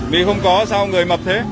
mì không có sao người mập thế